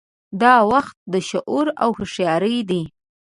دا وخت د شعور او هوښیارۍ دی.